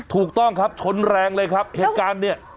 ถูกต้องครับชนแรงเลยครับเหตุการณ์เนี่ย